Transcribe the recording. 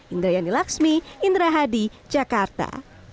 indra yani laxmi indra hadi jakarta